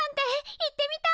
行ってみたい！